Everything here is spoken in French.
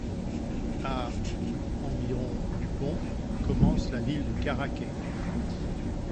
À environ du pont commence la ville de Caraquet.